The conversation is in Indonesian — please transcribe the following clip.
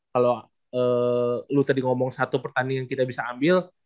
kalau lo tadi ngomong satu pertandingan kita bisa ambil